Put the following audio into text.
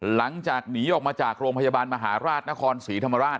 หลังจากหนีออกมาจากโรงพยาบาลมหาราชนครศรีธรรมราช